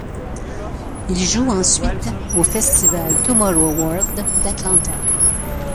Ils jouent ensuite au festival TomorrowWorld d'Atlanta.